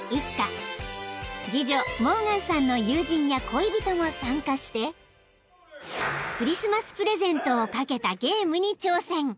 ［次女モーガンさんの友人や恋人も参加してクリスマスプレゼントを懸けたゲームに挑戦］